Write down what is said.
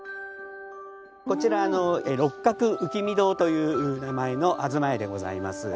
こちら六角浮き見堂という名前の東屋でございます。